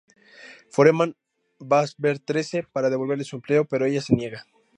Foreman va a ver a "Trece" para devolverle su empleo, pero ella se niega.